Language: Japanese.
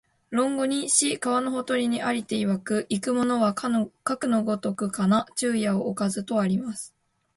論語に、「子、川のほとりに在りていわく、逝く者はかくの如きかな、昼夜をおかず」とあります